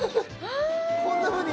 こんなふうに。